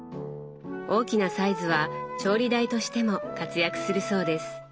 大きなサイズは調理台としても活躍するそうです。